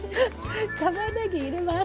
たまねぎ入れます。